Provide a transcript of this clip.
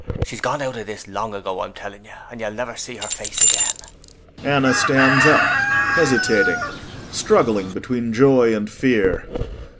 She's gone out of this long ago, I'm telling you, and you'll never see her face again. [ANNA stands up, hesitating, struggling between joy and fear.